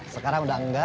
sekarang udah engga